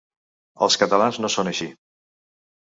Els catalans no són així.